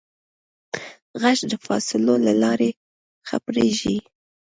غږ د فاصلو له لارې خپرېږي.